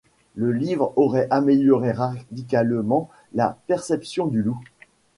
Ce livre aurait amélioré radicalement la perception du loup.